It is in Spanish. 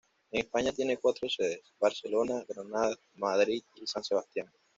En España tiene cuatro sedes: Barcelona, Granada, Madrid, y San Sebastián.